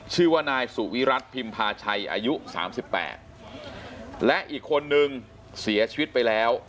ชื่อว่านายสุวิรัติพิมพาชัยอายุสามสิบแปดและอีกคนนึงเสียชีวิตไปแล้ว